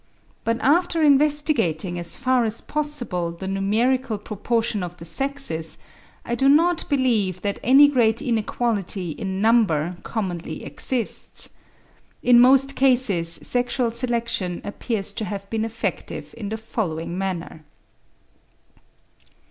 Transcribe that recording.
But after investigating, as far as possible, the numerical proportion of the sexes, I do not believe that any great inequality in number commonly exists. In most cases sexual selection appears to have been effective in the following manner.